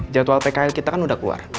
jadwal pkl kita kan udah keluar